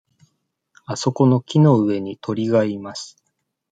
あそこの木の上に鳥がいます。